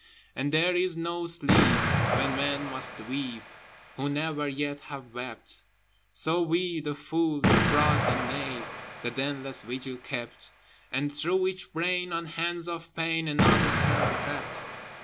But there is no sleep when men must weep Who never yet have wept: So we the fool, the fraud, the knave That endless vigil kept, And through each brain on hands of pain Another's terror crept.